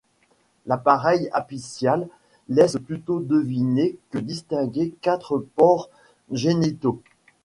L'appareil apicial laisse plutôt deviner que distinguer quatre pores génitaux.